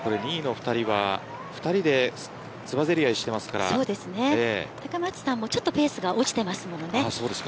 ２位の２人は２人でつばぜり合いをしていますから高松さんもちょっとペースが落ちています。